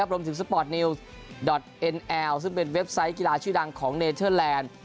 สปอร์ตนิวส์ดอทเอ็นแอลซึ่งเป็นเว็บไซต์กีฬาชื่อดังของเนเทอร์แลนด์